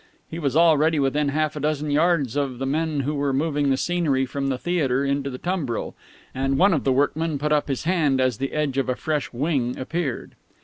He was already within half a dozen yards of the men who were moving the scenery from the theatre into the tumbril, and one of the workmen put up his hand as the edge of a fresh "wing" appeared....